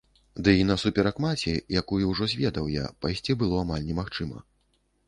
Ды і насуперак маці, якую ўжо зведаў я, пайсці было амаль немагчыма.